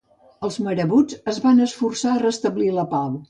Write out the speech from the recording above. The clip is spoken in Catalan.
Els marabuts es van esforçar a restablir la pau.